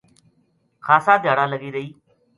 خاصا دھیاڑا لگی رہی